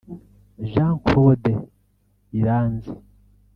Jean-Claude Iranzi